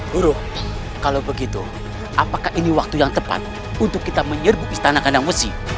buruh kalau begitu apakah ini waktu yang tepat untuk kita menyerbu istana kandang besi